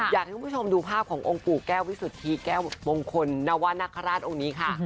อยากให้คุณผู้ชมดูภาพขององค์ปู่แก้ววิสุทธิแก้วมงคลนวรรณคราชองค์นี้ค่ะ